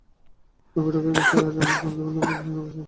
ওই বৈঠকের বিষয়ে আজ আবার পানমুনজমে আলোচনায় বসেন দুই কোরিয়ার কর্মকর্তারা।